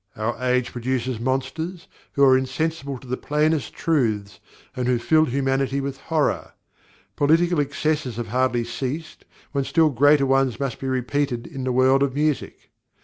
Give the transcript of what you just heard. Our age produces monsters, who are insensible to the plainest truths, and who fill humanity with horror. Political excesses have hardly ceased, when still greater ones must be repeated in the world of music.